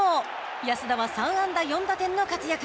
安田は３安打４打点の活躍。